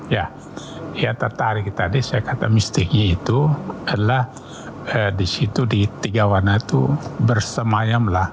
ya tertarik tadi saya kata mistiknya itu adalah di situ di tiga warna itu bersemayam lah